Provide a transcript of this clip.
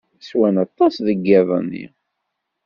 Swan aṭas deg yiḍ-nni.